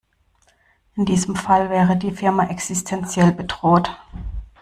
In diesem Fall wäre die Firma existenziell bedroht.